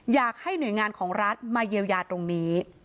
อยากให้หน่วยงานของรัฐมาเยียวยาตรงนี้